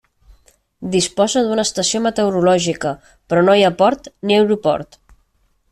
Disposa d'una estació meteorològica, però no hi ha ni port ni aeroport.